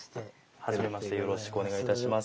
はじめましてよろしくお願いいたします。